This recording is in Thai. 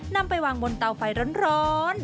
นำไปวางบนเตาไฟร้อน